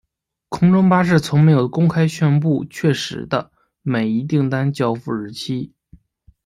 空中巴士从没有公开宣布确实的每一订单交付日期。